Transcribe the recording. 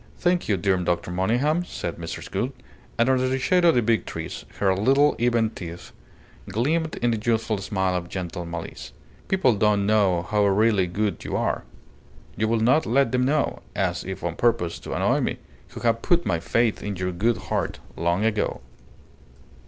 "Thank you, dear Dr. Monygham," said Mrs. Gould; and under the shade of the big trees her little, even teeth gleamed in a youthful smile of gentle malice. "People don't know how really good you are. You will not let them know, as if on purpose to annoy me, who have put my faith in your good heart long ago."